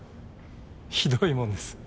ひどいもんです。